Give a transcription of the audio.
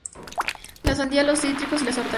La sandía, los cítricos y las hortalizas.